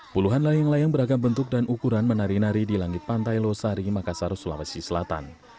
puluhan layang layang beragam bentuk dan ukuran menari nari di langit pantai losari makassar sulawesi selatan